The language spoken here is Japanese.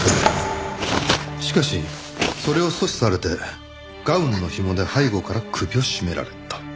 しかしそれを阻止されてガウンのひもで背後から首を絞められた。